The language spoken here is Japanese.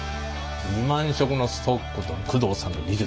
２万色のストックと工藤さんの技術